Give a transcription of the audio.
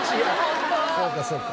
そうかそうか。